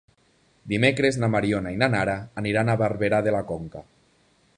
Dimecres na Mariona i na Nara aniran a Barberà de la Conca.